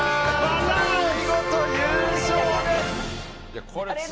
見事優勝です！